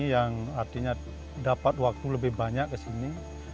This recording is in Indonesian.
yang artinya dapat waktu lebih banyak ke sini